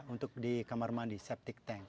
untuk di kamar mandi septic tank